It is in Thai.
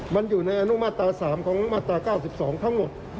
มันอยู่ในอนุมาตรา๓ของมาตรา๙๒ทั้งหมด